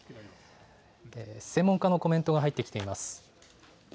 専門家のコメントが入ってきています。